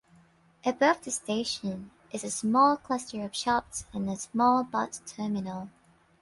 Above the station is a small cluster of shops and a small bus terminal.